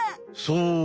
そう！